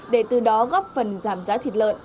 để từ đó góp phần giảm giá thịt lợn